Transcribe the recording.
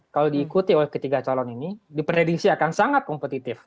kalau diikuti oleh ketiga calon ini diprediksi akan sangat kompetitif